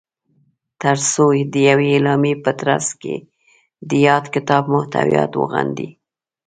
تر څو د یوې اعلامیې په ترځ کې د یاد کتاب محتویات وغندي